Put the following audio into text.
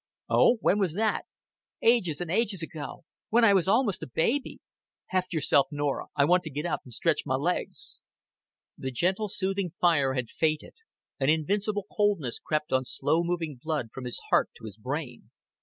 "Oh. When was that?" "Ages and ages ago, when I was almost a baby." "Heft yourself, Norah. I want to get up, an' stretch ma legs." The gentle soothing fire had faded an invincible coldness crept on slow moving blood from his heart to his brain.